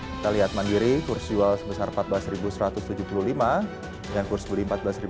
kita lihat mandiri kurs jual sebesar empat belas satu ratus tujuh puluh lima dan kurs beli empat belas lima ratus dua puluh lima